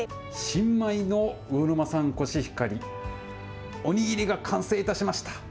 新米の魚沼産コシヒカリ、お握りが完成いたしました。